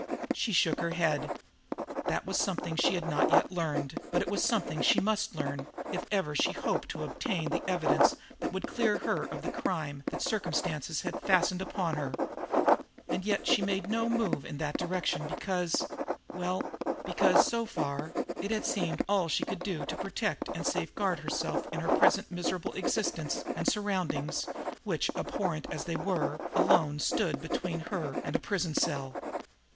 She shook her head. That was something she had not yet learned; but it was something she must learn if ever she hoped to obtain the evidence that would clear her of the crime that circumstances had fastened upon her. And yet she had made no move in that direction, because well, because, so far, it had seemed all she could do to protect and safeguard herself in her present miserable existence and surroundings, which, abhorrent as they were, alone stood between her and a prison cell.